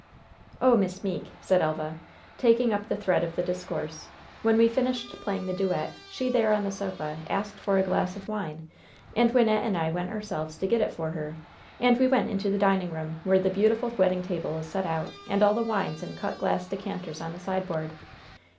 "Oh, Miss Meeke," said Elva, taking up the thread of the discourse, "when we finished playing the duet, she there on the sofa asked for a glass of wine, and Wynnette and I went ourselves to get it for her, and we went into the dining room, where the beautiful wedding table is set out and all the wines in cut glass decanters on the sideboard.